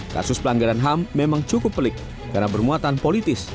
kasus pelanggaran ham memang cukup pelik karena bermuatan politis